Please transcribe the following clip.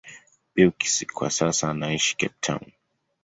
Beukes kwa sasa anaishi Cape Town.